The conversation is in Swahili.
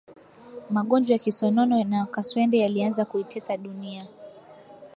magonjwa ya kisonono na kaswende yalianza kuitesa dunia